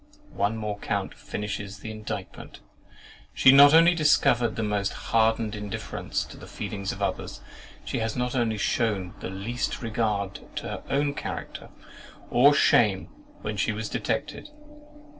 One more count finishes the indictment. She not only discovered the most hardened indifference to the feelings of others; she has not shewn the least regard to her own character, or shame when she was detected.